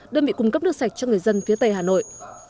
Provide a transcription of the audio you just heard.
đơn vị cung cấp nước sạch cho người dân phía tây hà nội